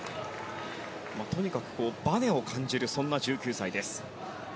とにかく、ばねを感じるそんな１９歳です。